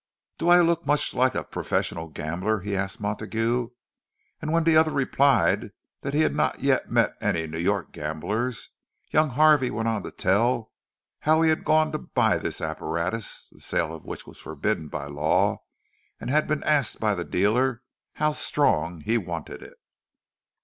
"Do I look much like a professional gambler?" he asked of Montague; and when the other replied that he had not yet met any New York gamblers, young Harvey went on to tell how he had gone to buy this apparatus (the sale of which was forbidden by law) and had been asked by the dealer how "strong" he wanted it!